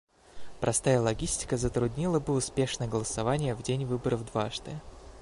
Простая логистика затруднила бы успешное голосование в день выборов дважды.